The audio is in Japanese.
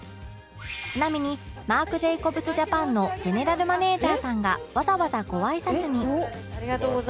ちなみにマークジェイコブスジャパンのジェネラルマネージャーさんがわざわざご挨拶に